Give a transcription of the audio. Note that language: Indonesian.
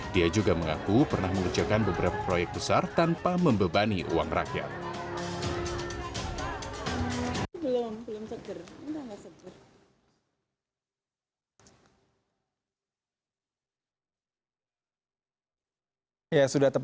dia juga mengaku pernah mengerjakan beberapa proyek besar tanpa membebani uang rakyat